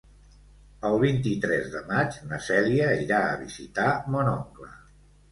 El vint-i-tres de maig na Cèlia irà a visitar mon oncle.